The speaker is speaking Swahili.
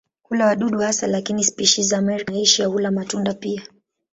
Hula wadudu hasa lakini spishi za Amerika na Asia hula matunda pia.